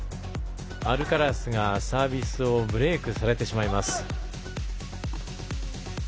アルカラスがサービスをブレークされてしまいます。